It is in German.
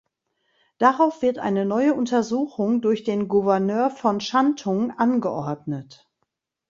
Darauf wird eine neue Untersuchung durch den Gouverneur von Schantung angeordnet.